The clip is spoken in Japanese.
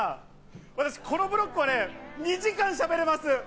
私、このブロック２時間しゃべれます。